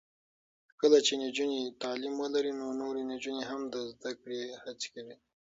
کله چې نجونې تعلیم ولري، نو نورې نجونې هم د زده کړې هڅې کوي.